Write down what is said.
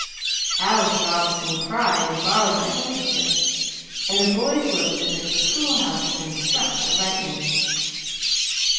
Alice Robinson cried and borrowed my handkerchief, and the boys looked as if the schoolhouse had been struck by lightning.